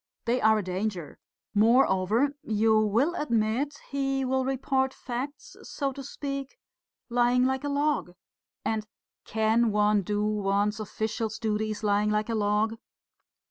"They are a danger. Moreover, you will admit he will report facts, so to speak, lying like a log. And, can one do one's official duties lying like a log?